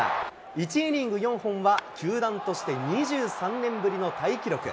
１イニング４本は、球団として２３年ぶりのタイ記録。